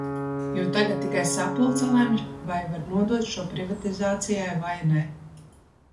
Jo tagad tikai sapulce lemj, vai var nodot šo privatizācijai vai ne.